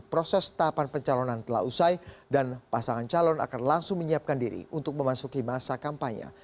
proses tahapan pencalonan telah usai dan pasangan calon akan langsung menyiapkan diri untuk memasuki masa kampanye